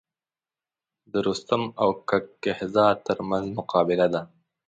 د رستم او کک کهزاد تر منځ مقابله ده.